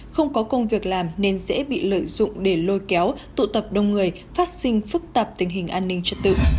không có công việc làm nên dễ bị lợi dụng để lôi kéo tụ tập đông người phát sinh phức tạp tình hình an ninh trật tự